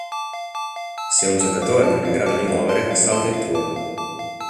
Se un giocatore non è in grado di muovere, salta il turno.